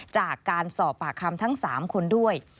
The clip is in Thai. จากการสอบปากคำทั้ง๓คนด้วย